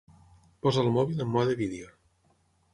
Posa el mòbil en mode vídeo.